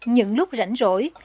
những lúc rảnh rỗi